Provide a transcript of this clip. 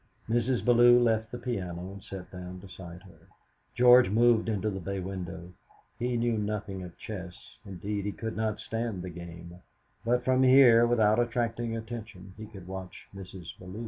Mrs. Bellew left the piano, and sat down beside her. George moved into the bay window. He knew nothing of chess indeed, he could not stand the game; but from here, without attracting attention, he could watch Mrs. Bellew.